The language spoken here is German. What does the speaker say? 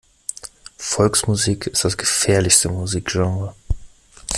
Volksmusik ist das gefährlichste Musikgenre.